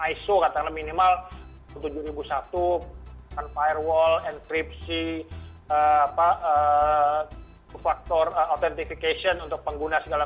iso katanya minimal tujuh ribu satu firewall enkripsi apa faktor authentication untuk pengguna segala